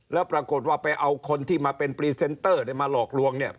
แล้วปรากฏว่าไปเอาคนที่มาเป็นพรีเซนเตอร์มาหลอกลวงเนี่ย